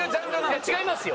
いや違いますよ！